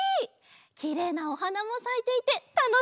きれいなおはなもさいていてたのしいおさんぽだね！